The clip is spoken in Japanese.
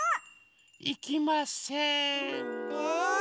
いきません。